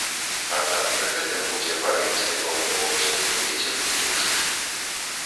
Аднак пры гэтым будзе парывісты паўднёва-ўсходні вецер і дождж.